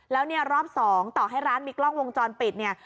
แล้วเนี่ยรอบ๒ต่อให้ร้านมีกล้องวงจรปิดเนี่ย